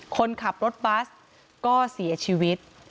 คนขับรถบัสก็เสียชีวิต